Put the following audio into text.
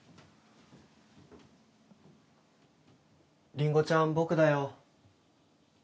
りんごちゃん僕だよ